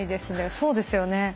そうですよね。